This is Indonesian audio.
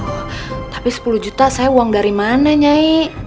wah tapi sepuluh juta saya uang dari mana nyai